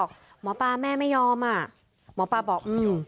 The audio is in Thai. คุณสังเงียมต้องตายแล้วคุณสังเงียม